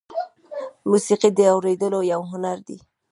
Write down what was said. موسیقي د اورېدلو یو هنر دی.